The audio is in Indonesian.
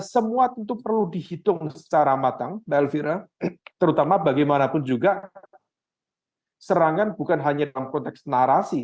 semua tentu perlu dihitung secara matang mbak elvira terutama bagaimanapun juga serangan bukan hanya dalam konteks narasi